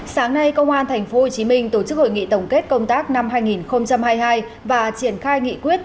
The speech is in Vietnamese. sáng nay công an tp hcm tổ chức hội nghị tổng kết công tác năm hai nghìn hai mươi hai và triển khai nghị quyết